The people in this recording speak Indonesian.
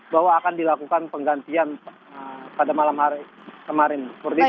bahwa akan dilakukan penggantian pada malam hari kemarin